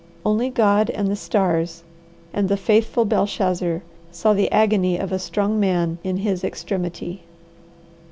Only God and the stars and the faithful Belshazzar saw the agony of a strong man in his extremity.